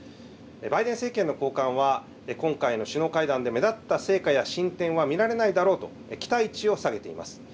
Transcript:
バイデン政権の高官は、今回の首脳会談で目立った成果や進展は見られないだろうと、期待値を下げています。